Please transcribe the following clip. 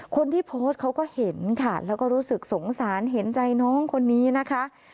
คนที่โพสต์เขาก็เห็นค่ะแล้วก็รู้สึกสงสารเห็นใจน้องคนนี้นะคะ